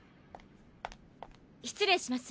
失礼します